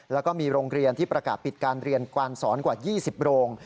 แล้วก็มีโรงเรียนที่ประกาศปิดการเรียนการสอนกว่า๒๐โรง